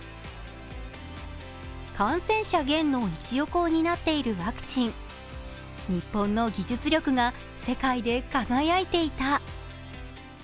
感染者減の一翼をになっているワクチン日本の技術力が世界で輝いていた。